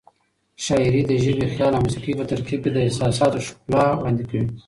شاعري د ژبې، خیال او موسيقۍ په ترکیب د احساساتو ښکلا وړاندې کوي.